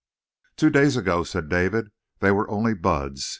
"Two days ago," said David, "they were only buds.